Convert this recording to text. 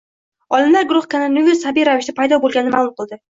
Olimlar guruhi koronavirus tabiiy ravishda paydo bo‘lganini ma'lum qildi